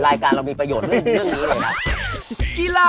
รายการเรามีประโยชน์ในเรื่องนี้หรือเปล่า